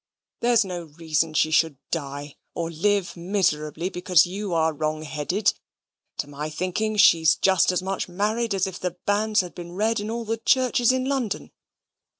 There's no reason she should die or live miserably because you are wrong headed. To my thinking, she's just as much married as if the banns had been read in all the churches in London.